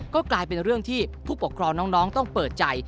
ก็กลายเป็นเรื่องที่ผู้ปกครองน้องต้องเปิดใจ